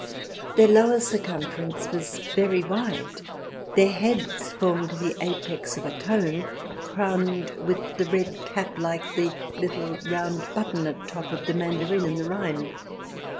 Their lower circumference was very wide. Their heads formed the apex of a cone, crowned with the red cap like the ''little round button at top" of the mandarin in the rhyme.